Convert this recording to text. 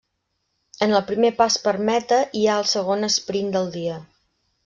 En el primer pas per meta hi ha el segon esprint del dia.